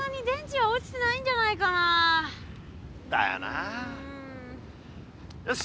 だよなよし！